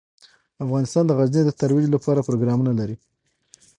افغانستان د غزني د ترویج لپاره پروګرامونه لري.